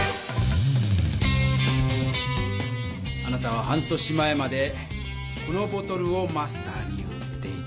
あなたは半年前までこのボトルをマスターに売っていた。